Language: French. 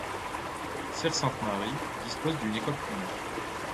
Serres-Sainte-Marie dispose d'une école primaire.